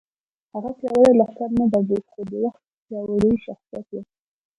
هغه پیاوړی لښکر نه درلود خو د وخت پیاوړی شخصیت و